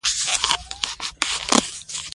که ښځه زده کړه ولري، نو د ماشومانو راتلونکی خوندي دی.